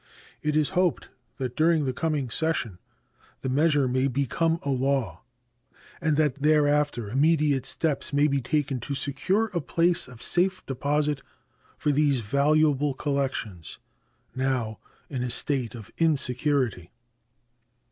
It is hoped that during the coming session the measure may become a law, and that thereafter immediate steps may be taken to secure a place of safe deposit for these valuable collections, now in a state of insecurity.